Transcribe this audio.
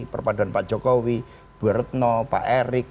perpaduan pak jokowi bu retno pak erik